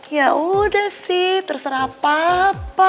ya udah sih terserah papa